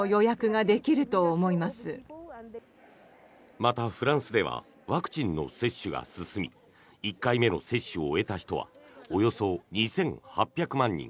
また、フランスではワクチンの接種が進み１回目の接種を終えた人はおよそ２８００万人。